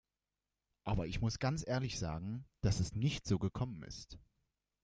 Aber ich muss ganz ehrlich sagen, dass es nicht so gekommen ist.